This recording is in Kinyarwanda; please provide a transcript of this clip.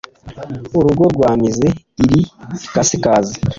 urugo rwa mize iri ikasikazi